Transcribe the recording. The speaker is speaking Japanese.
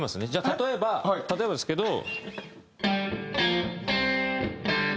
例えば例えばですけど。